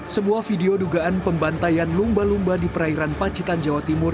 sebuah video dugaan pembantaian lumba lumba di perairan pacitan jawa timur